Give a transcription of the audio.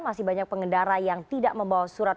masih banyak pengendara yang tidak membawa surat